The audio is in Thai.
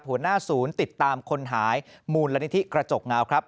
หัวหน้าศูนย์ติดตามคนหายมูลนิธิกระจกเงาครับ